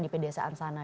di pedesaan sana